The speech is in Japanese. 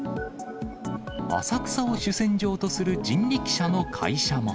浅草を主戦場とする人力車の会社も。